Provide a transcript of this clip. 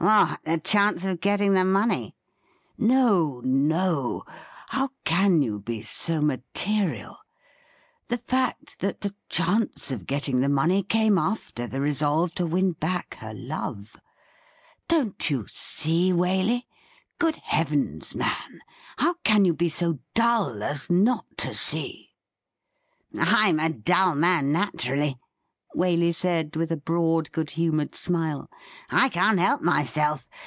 ' What, the chance of getting the money i" ' No, no ! how can you be so material ? The fact that the chance of getting the money came after the resolve to win back her love. Don't you see, Waley ? Good heavens, man ! how can you be so dull as not to see ?'' Fm a dull man natm ally,' Waley said, with a broad, good humoured smile. 'I can't help myself.